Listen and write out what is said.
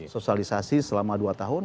sosialisasi selama dua tahun